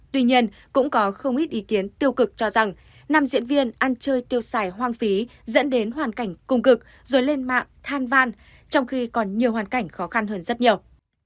tuy nhiên cũng có không ít ý kiến tiêu cực cho rằng nam diễn viên ăn chơi tiêu xài hoang phí dẫn đến hoàn cảnh cung cực rồi lên mạng than van trong khi còn nhiều hoàn cảnh khó khăn hơn rất nhiều